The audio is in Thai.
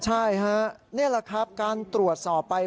ใช่ฮะนี่แหละครับการตรวจสอบไป